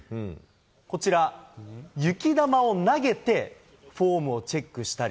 こちら、雪玉を投げてフォームをチェックしたり。